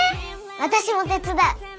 私も手伝う。